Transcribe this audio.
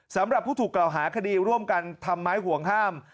สำหรับผู้ถูกกล่าวหาคดีร่วมกันทำไม้ห่วงห้าม